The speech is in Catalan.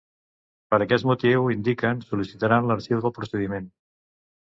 Per aquest motiu, indiquen, sol·licitaran l’arxiu del procediment.